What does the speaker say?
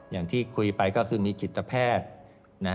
อย่างที่คุยไปก็คือมีจิตแพทย์